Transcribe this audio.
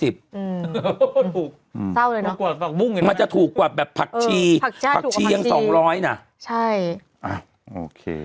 ถูกมันจะถูกกว่าแบบผักชีผักชียัง๒๐๐น่ะโอเค